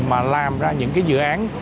mà làm ra những cái dự án